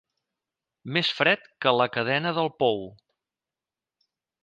Més fred que la cadena del pou.